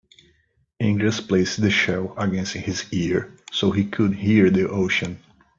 Andreas placed the shell against his ear so he could hear the ocean.